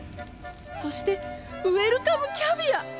そしてウエルカムキャビア。